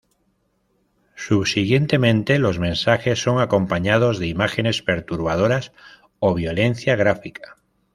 Subsiguientemente los mensajes son acompañados de imágenes perturbadoras o violencia gráfica.